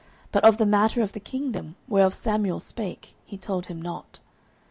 But of the matter of the kingdom, whereof Samuel spake, he told him not.